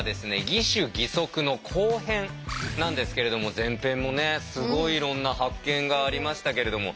「義手義足」の後編なんですけれども前編もねすごいいろんな発見がありましたけれども。